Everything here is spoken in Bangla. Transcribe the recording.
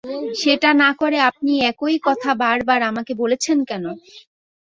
সেটা না করে আপনি একই কথা বারবার আমাকে বলছেন কেন?